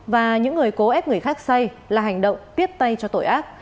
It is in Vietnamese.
và những người cố ép người khác xay là hành động tiếp tay cho tội ác